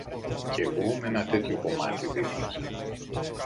Κι εγώ μ' ένα τέτοιο κομμάτι δείπνησα.